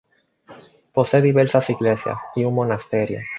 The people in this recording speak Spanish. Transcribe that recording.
Posee diversas iglesias y un monasterio.